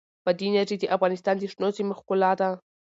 بادي انرژي د افغانستان د شنو سیمو ښکلا ده.